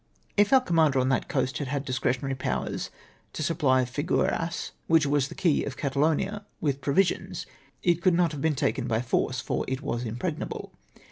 If our commander on that coast had had discretionary powers to supply Figueras, which was the key of Catalonia, with provisions, it could not have been taken by force, for it was impregnable.